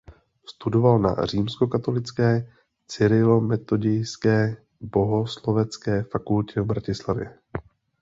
Studoval na Římskokatolické cyrilometodějské bohoslovecké fakultě v Bratislavě.